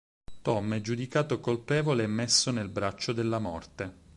Tom è giudicato colpevole e messo nel braccio della morte.